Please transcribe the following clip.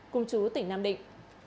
cùng chú tỉnh nam định